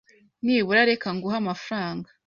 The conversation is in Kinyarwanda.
Nibura reka nguhe amafaranga.